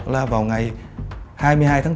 là vào ngày hai mươi hai tháng bốn